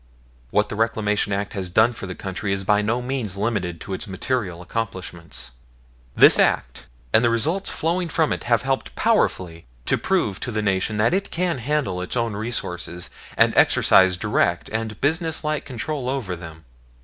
What the Reclamation Act has done for the country is by no means limited to its material accomplishment. This Act and the results flowing from it have helped powerfully to prove to the Nation that it can handle its own resources and exercise direct and business like control over them.